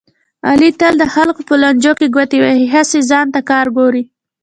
علي تل د خلکو په لانجو کې ګوتې وهي، هسې ځان ته کار ګوري.